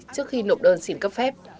trước khi nộp đơn xin cấp phép